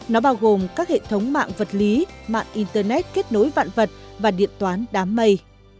nó bao gồm các hệ thống mạng vật lý mạng internet kết nối vạn vật và điện toán đám mây